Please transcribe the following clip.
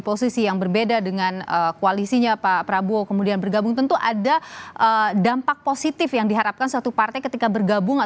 posisi yang berbeda dengan koalisinya pak prabowo kemudian bergabung tentu ada dampak positif yang diharapkan satu partai ketika bergabung